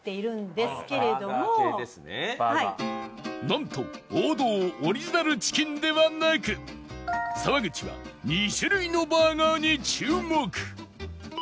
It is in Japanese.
なんと王道オリジナルチキンではなく沢口は２種類のバーガーに注目